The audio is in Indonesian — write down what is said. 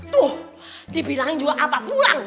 tuh dibilang juga apa pulang